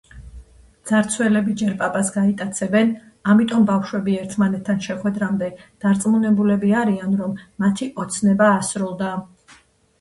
მძარცველები ჯერ პაპას გაიტაცებენ, ამიტომ ბავშვები ერთმანეთთან შეხვედრამდე დარწმუნებულები არიან, რომ მათი ოცნება ასრულდა.